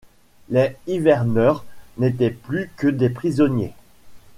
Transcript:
Les hiverneurs n’étaient plus que des prisonniers.